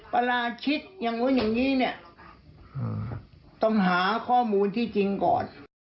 ปราชิกอย่างนู้นอย่างนี้เนี่ยต้องหาข้อมูลที่จริงก่อน